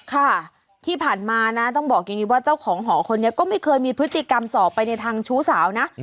ค่ะที่ผ่านมานะต้องบอกอย่างนี้ว่าเจ้าของหอคนนี้ก็ไม่เคยมีพฤติกรรมสอบไปในทางชู้สาวนะ